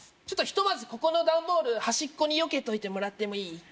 ちょっとひとまずここのダンボール端っこによけといてもらってもいい？